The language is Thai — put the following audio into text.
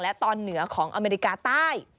และตอนเหนือของอเมริกาใต้